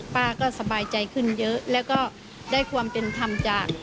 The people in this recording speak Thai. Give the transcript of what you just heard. ป้าก็สบายใจขึ้นเยอะแล้วก็ได้ความเป็นธรรมจาก